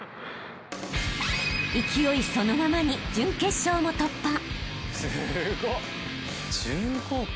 ［勢いそのままに準決勝も突破］